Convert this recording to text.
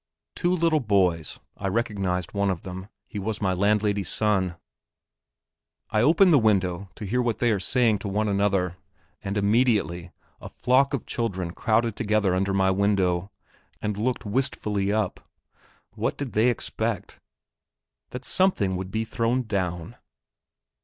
Two little boys; I recognized one of them; he was my landlady's son. I open the window to hear what they are saying to one another, and immediately a flock of children crowded together under my window, and looked wistfully up. What did they expect? That something would be thrown down?